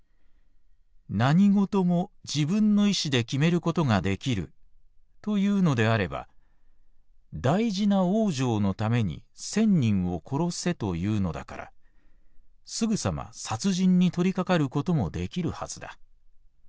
何事も自分の意思で決めることができると言うのであれば大事な往生のために千人を殺せと言うのだからすぐさま殺人に取りかかることもできるはずだ。